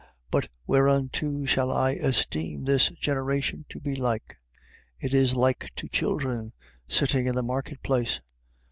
11:16. But whereunto shall I esteem this generation to be like? It is like to children sitting in the market place.